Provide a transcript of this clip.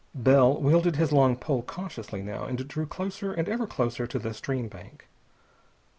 Bell wielded his long pole cautiously now, and drew closer and ever closer to the stream bank.